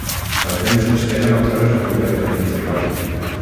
El temps d'espera no té res a veure amb el temps de gaudi.